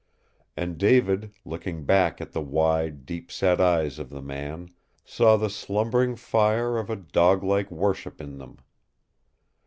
And David, looking back at the wide, deep set eyes of the man, saw the slumbering fire of a dog like worship in them.